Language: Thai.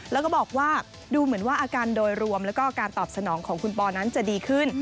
แล้วก็บอกว่าดูเหมือนว่าอาการโดยรวมแล้วก็การตอบสนองของคุณปอนั้นจะดีขึ้น